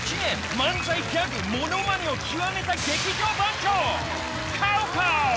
漫才、ギャグ、ものまねを極めた劇場番長、ＣＯＷＣＯＷ。